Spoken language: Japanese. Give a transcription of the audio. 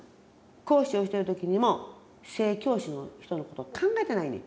講師をしてる時にも正教師の人のことを考えてないねん。